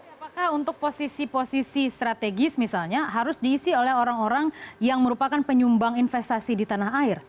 apakah untuk posisi posisi strategis misalnya harus diisi oleh orang orang yang merupakan penyumbang investasi di tanah air